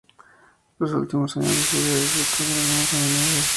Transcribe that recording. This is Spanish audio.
Los últimos años de su vida disfrutó de algunos homenajes.